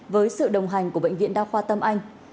với sự đồng hành của bệnh viện đa khoa tâm anh